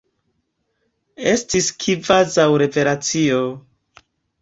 Estis kvazaŭ revelacio!